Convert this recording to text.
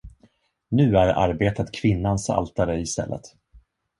Nu är arbetet kvinnans altare i stället.